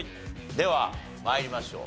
では参りましょう。